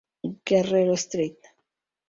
Guerrero Street.